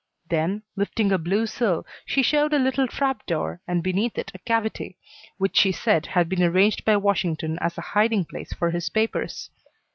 Then, lifting a blue sill, she showed a little trap door and beneath it a cavity, which she said had been arranged by Washington as a hiding place for his papers.